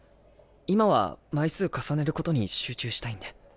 今は枚数重ねることに集中したいんで。